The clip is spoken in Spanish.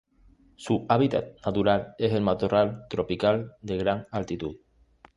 Su hábitat natural es el matorral tropical de gran altitud.